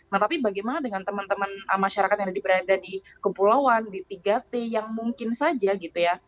nah tapi bagaimana dengan teman teman masyarakat yang berada di kepulauan di tiga t yang mungkin saja gitu ya